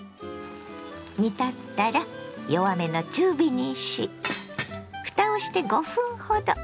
煮立ったら弱めの中火にしふたをして５分ほど。